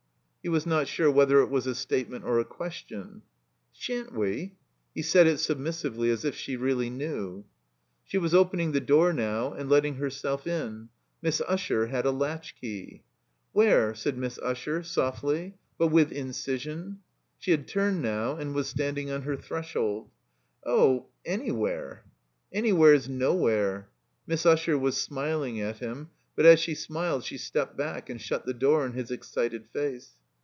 / He was not sure whether it was a statement or a question. "Sha'n't we?" He said it submissively, as if she really knew. She was opening the door now and letting herself in. Miss Usher had a latch key. "Where?" said Miss Usher, softly, but with in cision. She had turned now and was standing on her threshold. "Oh— anywhere— " "Anywhere's nowhere." Miss Usher was smiling at him, but as she smiled she stepped back and shut the door in his excited face.